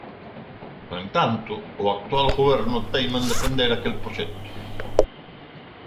No entanto, o actual Goberno teima en defender aquel proxecto.